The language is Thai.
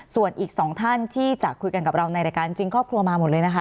ส่วนอีก๒ท่านที่จะคุยกันกับเราในรายการจริงครอบครัวมาหมดเลยนะคะ